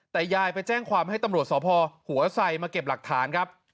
แต่ยายไปแจ้งความให้ตำรวจสพหัวไซมาเก็บหลักฐานครับ